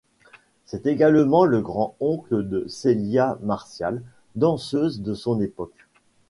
C’est également le grand-oncle de Célia Martial, danseuse de son époque.